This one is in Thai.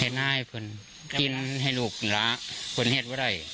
เฮ็ดหน้าให้ผลจินให้ลูกหละผลเฮ็ดไว้ได้